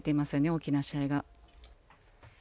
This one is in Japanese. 大きな試合が。